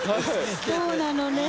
そうなのね。